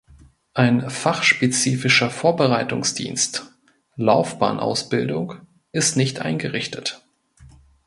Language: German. Ein fachspezifischer Vorbereitungsdienst (Laufbahnausbildung) ist nicht eingerichtet.